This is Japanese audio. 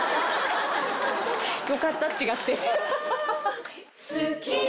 よかった、違って。